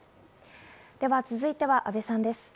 では続いては阿部さんです。